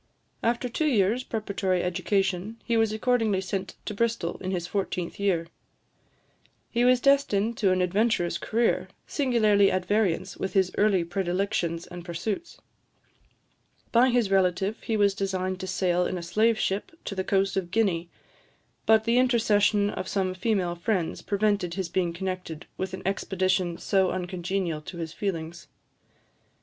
After two years' preparatory education, he was accordingly sent to Bristol, in his fourteenth year. He was destined to an adventurous career, singularly at variance with his early predilections and pursuits. By his relative he was designed to sail in a slave ship to the coast of Guinea; but the intercession of some female friends prevented his being connected with an expedition so uncongenial to his feelings.